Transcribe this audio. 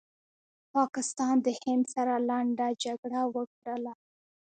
پاکستان د هند سره لنډه جګړه وکړله